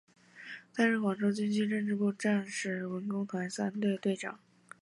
担任广州军区政治部战士文工团三队队长。